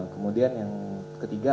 kemudian yang ketiga